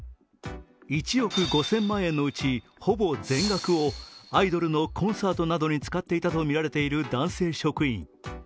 １億５０００万円のうちほぼ全額をアイドルのコンサートなどに使っていたとみられている男性職員。